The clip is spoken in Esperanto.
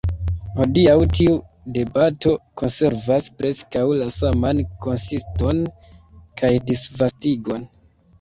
Hodiaŭ tiu debato konservas preskaŭ la saman konsiston kaj disvastigon.